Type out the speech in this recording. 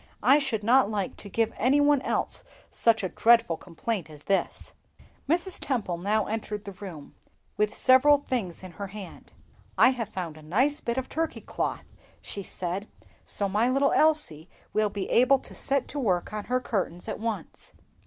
"I should not like to give any one else such a dreadful complaint as this." Mrs. Temple now entered the room, with several things in her hand. "I have found a nice bit of red Turkey cloth," said she, "so my little Elsie will be able to set to work on her curtains at once."